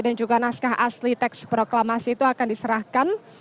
juga naskah asli teks proklamasi itu akan diserahkan